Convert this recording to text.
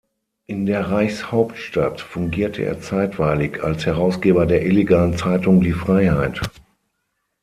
In der Reichshauptstadt fungierte er zeitweilig als Herausgeber der illegalen Zeitung "Die Freiheit".